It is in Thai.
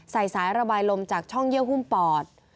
สายระบายลมจากช่องเยื่อหุ้มปอด